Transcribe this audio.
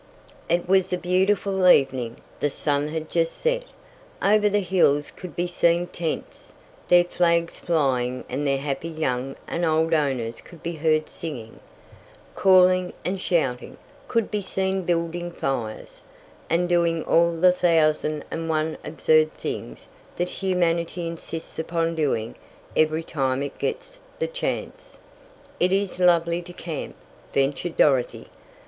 It was a beautiful evening. The sun had just set. Over the hills could be seen tents, their flags flying and their happy young and old owners could be heard singing, calling, and shouting; could be seen building fires, and doing all the thousand and one absurd things that humanity insists upon doing every time it gets the chance. "It is lovely to camp," ventured Dorothy.